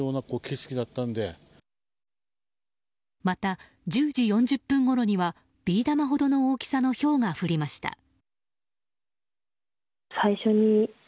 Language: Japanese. また、１０時４０分ごろにはビー玉ほどの大きさのひょうが降りました。